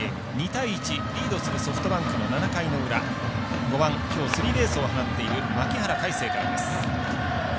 ２対１リードするソフトバンクの７回の裏、５番、きょうスリーベースを放っている牧原大成からです。